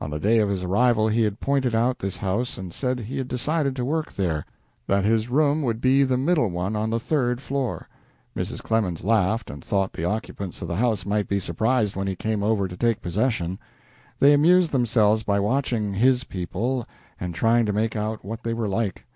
On the day of his arrival he had pointed out this house and said he had decided to work there that his room would be the middle one on the third floor. Mrs. Clemens laughed, and thought the occupants of the house might be surprised when he came over to take possession. They amused themselves by watching "his people" and trying to make out what they were like.